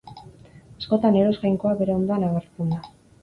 Askotan Eros jainkoa bere ondoan agertzen da.